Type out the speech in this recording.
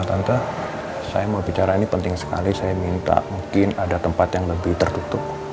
tante saya mau bicara ini penting sekali saya minta mungkin ada tempat yang lebih tertutup